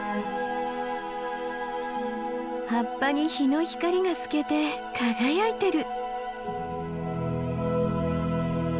葉っぱに日の光が透けて輝いてる。